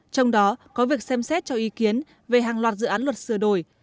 trong đó có việc xem xét cho ý kiến về hàng loạt dự án luật sửa đổi